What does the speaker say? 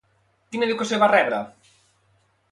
Quina educació va rebre?